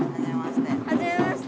はじめまして。